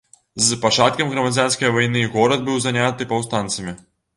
З пачаткам грамадзянскай вайны горад быў заняты паўстанцамі.